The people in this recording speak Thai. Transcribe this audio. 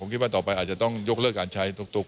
ผมคิดว่าต่อไปจะเช็งต้องยกเลิกการใช้ตุ๊ก